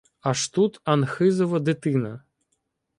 Аж тут Анхизова дитина